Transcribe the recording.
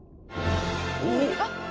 あっ！